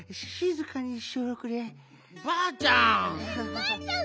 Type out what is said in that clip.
ばあちゃん。